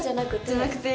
じゃなくて。